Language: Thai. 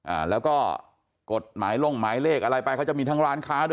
อ่าแล้วก็กฎหมายลงหมายเลขอะไรไปเขาจะมีทั้งร้านค้าด้วย